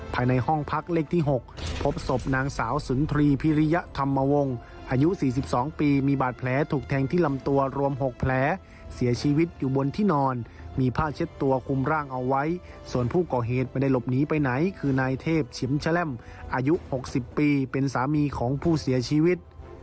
ภายในห้องพักเลขที่๖พบศพนางสาวสุนทรีพิริยธรรมวงศ์อายุ๔๒ปีมีบาดแผลถูกแทงที่ลำตัวรวม๖แผลเสียชีวิตอยู่บนที่นอนมีผ้าเช็ดตัวคุมร่างเอาไว้ส่วนผู้ก่อเหตุไม่ได้หลบหนีไปไหนคือนายเทพชิมแชล่มอายุ๖๐ปีเป็นสามีของผู้เสียชีวิต